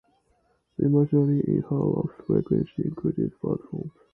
The imagery in her work frequently included bird forms.